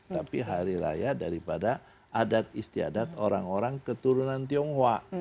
tapi hari raya daripada adat istiadat orang orang keturunan tionghoa